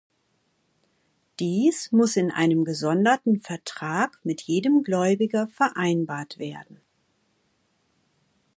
Dies muss in einem gesonderten Vertrag mit jedem Gläubiger vereinbart werden.